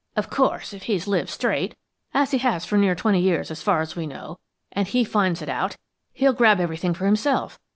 "Of course, if he's lived straight, as he has for near twenty years as far as we know, and he finds it out, he'll grab everything for himself.